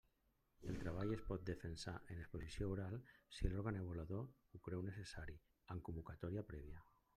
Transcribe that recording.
El treball es pot defensar en exposició oral, si l'òrgan avaluador ho creu necessari, amb convocatòria prèvia.